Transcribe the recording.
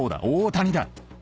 大谷だ。